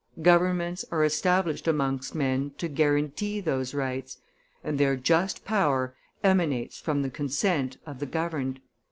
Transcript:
Governments are established amongst men to guarantee those rights, and their just power emanates from the consent of the governed."